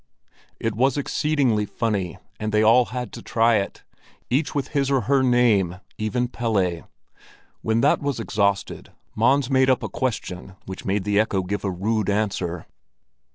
It was exceedingly funny, and they all had to try it, each with his or her name—even Pelle. When that was exhausted, Mons made up a question which made the echo give a rude answer.